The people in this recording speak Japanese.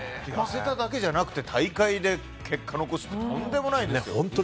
痩せただけじゃなくて大会で結果を残すってとんでもないですよ。